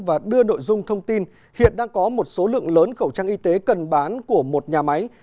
và đưa nội dung thông tin hiện đang có một số lượng lớn khẩu trang y tế cần bán của một nhà máy